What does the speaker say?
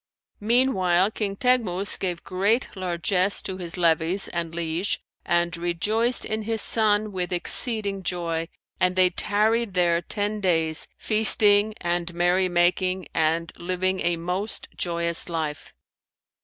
Meanwhile, King Teghmus gave great largesse to his levies and liege and rejoiced in his son with exceeding joy, and they tarried there ten days, feasting and merry making and living a most joyous life.